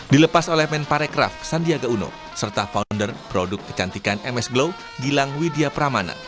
dilepas oleh men parekraf sandiaga uno serta founder produk kecantikan ms glow gilang widya pramana